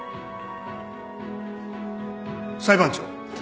裁判長。